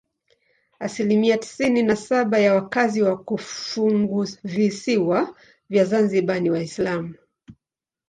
Asilimia tisini na saba ya wakazi wa funguvisiwa vya Zanzibar ni Waislamu.